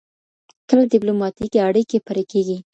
کله ډیپلوماټیکې اړیکي پري کیږي؟